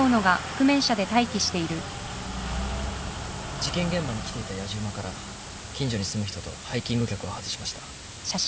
事件現場に来ていたやじ馬から近所に住む人とハイキング客を外しました。